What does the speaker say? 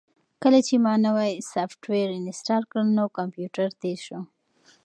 کله چې ما نوی سافټویر انسټال کړ نو کمپیوټر تېز شو.